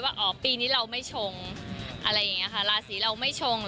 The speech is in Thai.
อ๋อปีนี้เราไม่ชงอะไรอย่างนี้ค่ะราศีเราไม่ชง